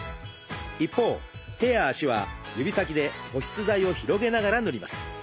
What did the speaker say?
一方手や足は指先で保湿剤を広げながら塗ります。